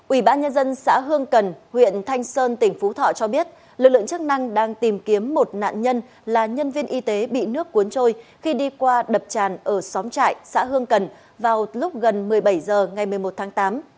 ủy ban nhân dân xã hương cần huyện thanh sơn tỉnh phú thọ cho biết lực lượng chức năng đang tìm kiếm một nạn nhân là nhân viên y tế bị nước cuốn trôi khi đi qua đập tràn ở xóm trại xã hương cần vào lúc gần một mươi bảy h ngày một mươi một tháng tám